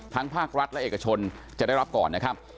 ภาครัฐและเอกชนจะได้รับก่อนนะครับ